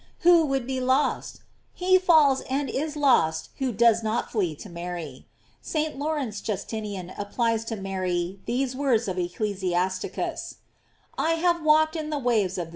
Who would be lost ? He falls and is lost who does not flee to Mary. St. Lawrence Justinian ap plies to Mary these words of Ecclesiasticus : "I have walked in the waves of the sea;" 8 and * Omnes domestic!